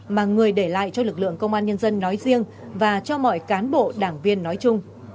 mà người để lại cho lực lượng công an nhân dân nói riêng và cho mọi cán bộ đảng viên nói chung